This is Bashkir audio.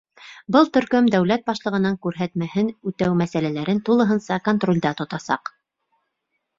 Был төркөм дәүләт башлығының күрһәтмәһен үтәү мәсьәләләрен тулыһынса контролдә тотасаҡ.